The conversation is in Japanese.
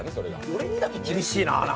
俺にだけ厳しいなあ。